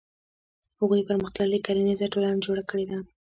هغوی پرمختللې کرنیزه ټولنه جوړه کړې ده.